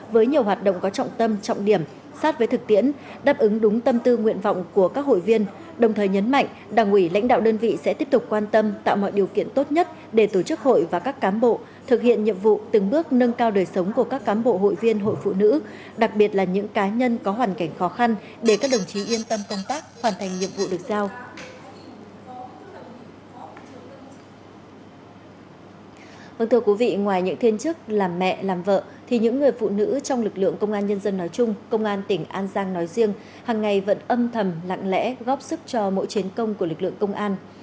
vâng thưa quý vị ngoài những thiên chức làm mẹ làm vợ thì những người phụ nữ trong lực lượng công an nhân dân nói chung công an tỉnh an giang nói riêng hằng ngày vẫn âm thầm lặng lẽ góp sức cho mỗi chiến công của lực lượng công an